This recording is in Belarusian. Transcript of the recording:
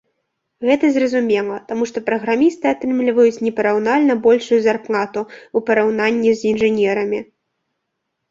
Гэта зразумела, таму што праграмісты атрымліваюць непараўнальна большую зарплату, у параўнанні з інжынерамі.